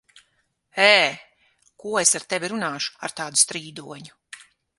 Ē! Ko es ar tevi runāšu, ar tādu strīdoņu?